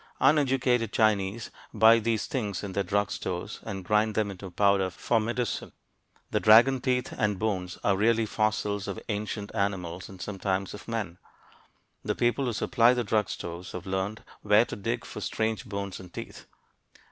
Uneducated Chinese buy these things in their drug stores and grind them into powder for medicine. The "dragon teeth" and "bones" are really fossils of ancient animals, and sometimes of men. The people who supply the drug stores have learned where to dig for strange bones and teeth.